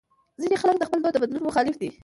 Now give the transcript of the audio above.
ځینې خلک د خپل دود د بدلون مخالف دي.